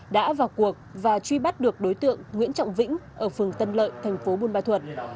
đã vào cuộc và truy bắt được đối tượng nguyễn trọng vĩnh ở phường tân lợi thành phố buôn ma thuật